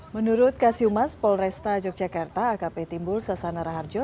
menurut kasiumas polresta yogyakarta akp timbul sasana raharjo